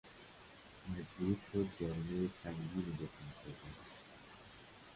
مجبور شد جریمهی سنگینی بپردازد.